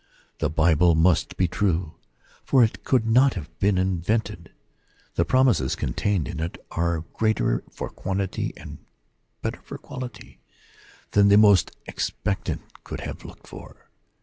The Bible must be true, for it could not have been invented : the promises contained in it are greater for quantity and better for quality than the most expectant could have looked for.